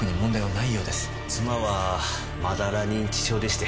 妻はまだら認知症でして。